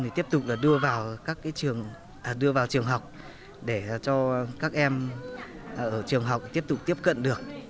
thì tiếp tục là đưa vào các trường đưa vào trường học để cho các em ở trường học tiếp tục tiếp cận được